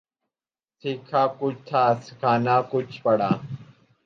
سیکھا کچھ تھا سکھانا کچھ پڑا